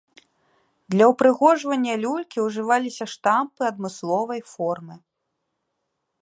Для ўпрыгожвання люлькі ўжываліся штампы адмысловай формы.